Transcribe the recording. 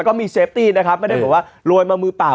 แล้วก็มีเฉฟตี้นะครับไม่ได้หรือว่ารวยมะมือเปล่า